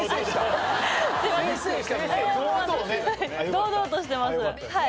堂々としてます。